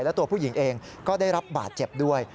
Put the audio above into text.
และตัวผู้หญิงเองก็ได้รับบาดเจ็บด้วย